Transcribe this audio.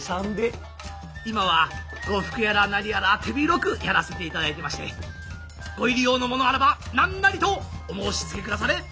今は呉服やら何やら手広くやらせていただいてましてご入り用の物あらば何なりとお申しつけくだされ！